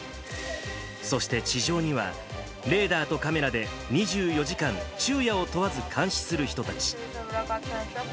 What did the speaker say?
そして地上にはレーダーとカメラで２４時間、昼夜を問わず監視する人たち。